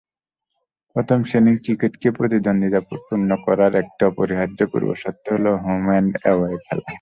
প্রথম শ্রেণির ক্রিকেটকে প্রতিদ্বন্দ্বিতাপূর্ণ করার একটি অপরিহার্য পূর্বশর্ত হলো, হোম অ্যান্ড অ্যাওয়ে খেলা।